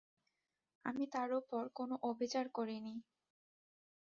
আমি তার ওপর কোনো অবিচার করি নি।